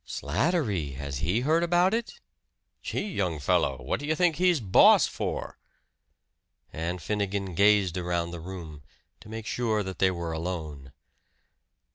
"Slattery! Has he heard about it?" "Gee, young fellow! What do you think he's boss for?" And Finnegan gazed around the room, to make sure that they were alone.